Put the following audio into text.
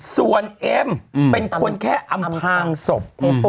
ส่วนเอ็มเป็นคนแค่อำพางศพ